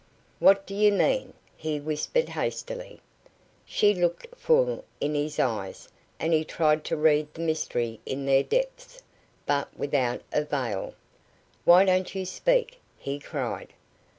"What do you mean?" he whispered, hastily. She looked full in his eyes, and he tried to read the mystery in their depths, but without avail. "Why don't you speak?" he cried.